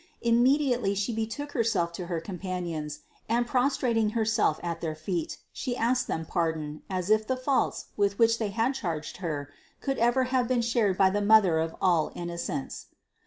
Immediately She betook Herself to her com panions, and prostrating Herself at their feet, She asked them pardon, as if the faults, with which they had charged Her, could ever have been shared by the Mother of all in nocence.